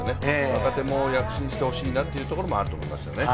若手も躍進して欲しいなというところもあると思います。